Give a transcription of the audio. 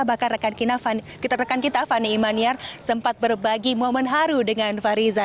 bahkan rekan kita fani imaniar sempat berbagi momen haru dengan fariza